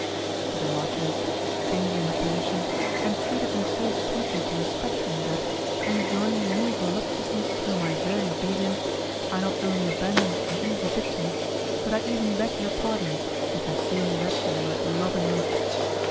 but the marchioness, changing her position, entreated me so sweetly to respect her, that, enjoying new voluptuousness through my very obedience, I not only abandoned an easy victory, but I even begged her pardon, which I soon read in the most loving look.